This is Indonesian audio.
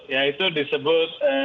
ya itu disebut